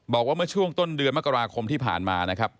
บอกว่าเมื่อช่วงต้นเดือนมกราคมที่ผ่านมานะครับ